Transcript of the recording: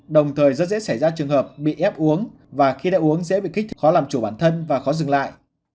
đồng thời rất dễ xảy ra trường hợp bị ép uống và khi đã uống dễ bị kích khó làm chủ bản thân và khó dừng lại